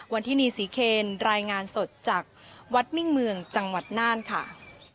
วันที่นี่ศรีเคนรายงานสดจากวัดมิ่งเมืองจังหวัดน่านค่ะ